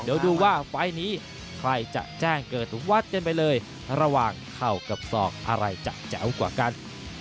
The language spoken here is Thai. เดี๋ยวดูว่าไฟล์นี้ใครจะแจ้งเกิดวัดกันไปเลยระหว่างเข่ากับศอกอะไรจะแจ๋วกว่ากัน